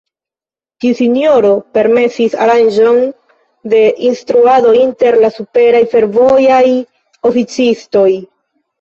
Tiu sinjoro permesis aranĝon de instruado inter la superaj fervojaj oficistoj.